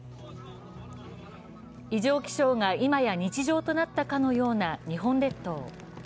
異常気象がいまや日常となったかのような日本列島。